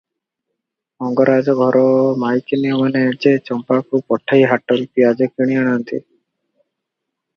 ମଙ୍ଗରାଜ ଘର ମାଇକିନିଆମାନେ ଯେ ଚମ୍ପାକୁ ପଠାଇ ହାଟରୁ ପିଆଜ କିଣି ଆଣନ୍ତି!